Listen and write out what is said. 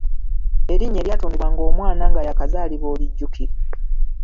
Erinnya eryatuumibwanga omwana nga yaakazaalibwa olijjukira?